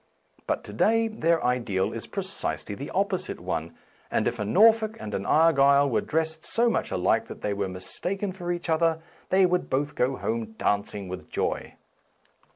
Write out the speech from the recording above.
But to day their ideal is precisely the opposite one, and if a Norfolk and an Argyll were dressed so much alike that they were mistaken for each other they would both go home danc ing with joy.